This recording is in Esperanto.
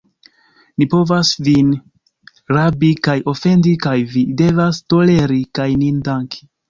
Ni povas vin rabi kaj ofendi, kaj vi devas toleri kaj nin danki.